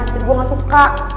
sih gua ga suka